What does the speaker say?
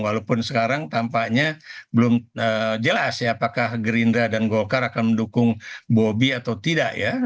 walaupun sekarang tampaknya belum jelas ya apakah gerindra dan golkar akan mendukung bobi atau tidak ya